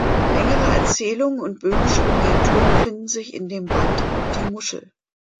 Längere Erzählungen und "böhmische Miniaturen" finden sich in dem Band "Die Muschel.